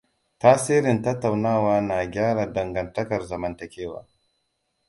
Tasirin tattaunawa na gyara dangantakar zamantakewa.